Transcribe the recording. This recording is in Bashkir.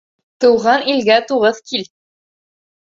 Тыуған илгә туғыҙ кил.